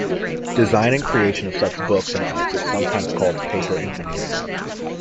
Design and creation of such books in arts is sometimes called "paper engineering".